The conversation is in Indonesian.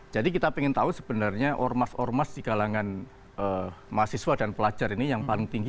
jadi kita pengen tahu sebenarnya ormas ormas di kalangan mahasiswa dan pelajar ini yang paling tinggi